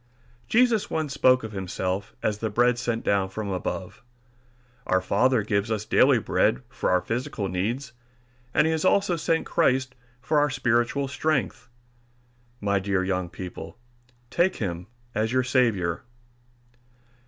Jesus once spoke of himself as the Bread sent down from above. Our Father gives us daily bread for our physical needs, and he has also sent us Christ for our spiritual strength. My dear young people, take him as your Saviour.